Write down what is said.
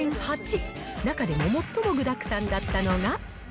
中でも最も具だくさんだったのが。